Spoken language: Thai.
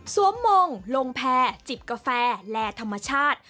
สวมมงค์ล่องแผ่จิบกาแฟและธรรมชาติ